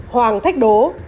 hoàng thách đố